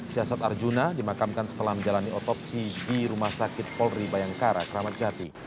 siasat arjuna dimakamkan setelah menjalani otopsi di rumah sakit polri bayangkara kramatjati